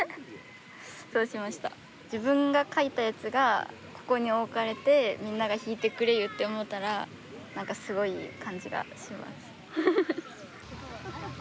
自分が描いたやつがここに置かれてみんなが弾いてくれゆって思ったらすごい感じがします。